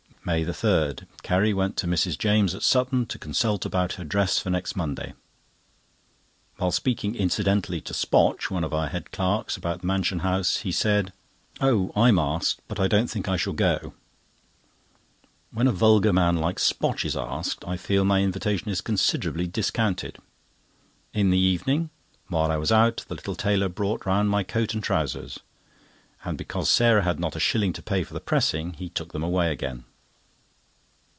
MAY 3.—Carrie went to Mrs. James, at Sutton, to consult about her dress for next Monday. While speaking incidentally to Spotch, one of our head clerks, about the Mansion House, he said: "Oh, I'm asked, but don't think I shall go." When a vulgar man like Spotch is asked, I feel my invitation is considerably discounted. In the evening, while I was out, the little tailor brought round my coat and trousers, and because Sarah had not a shilling to pay for the pressing, he took them away again.